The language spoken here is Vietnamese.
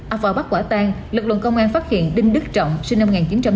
ở phò bắc quả tăng lực lượng công an phát hiện đinh đức trọng sinh năm một nghìn chín trăm chín mươi hai